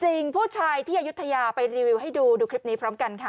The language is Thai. ผู้ชายที่อายุทยาไปรีวิวให้ดูดูคลิปนี้พร้อมกันค่ะ